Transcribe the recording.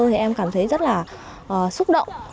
thì em cảm thấy rất là xúc động